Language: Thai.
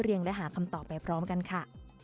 และหาคำตอบไปพร้อมกันค่ะ